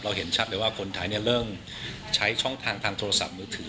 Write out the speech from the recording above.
เห็นชัดเลยว่าคนไทยเริ่มใช้ช่องทางทางโทรศัพท์มือถือ